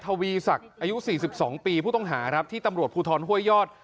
อายุ๔๒ปีผู้ต้องหารับที่ตำรวจภูทรห้วยยอด